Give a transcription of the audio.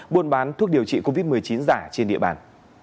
buôn bán thuốc điều trị covid một mươi chín giả trên địa bàn